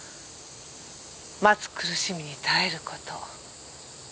待つ苦しみに耐える事。